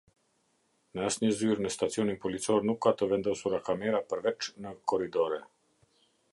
Në asnjë zyrë në stacionin policor nuk ka të vendosura kamera përveç në korridore.